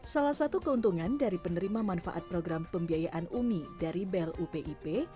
salah satu keuntungan dari penerima manfaat program pembiayaan umi dari blupip